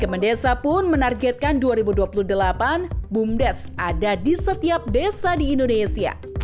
kemendesa pun menargetkan dua ribu dua puluh delapan bumdes ada di setiap desa di indonesia